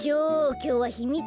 きょうはひみつ